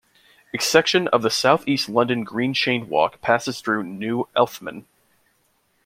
A section of the South East London Green Chain walk passes through New Eltham.